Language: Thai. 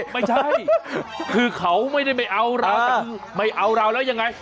ไม่ใช่คือเขาไม่ได้ไม่เอาเราแต่คือไม่เอาเราแล้วยังไง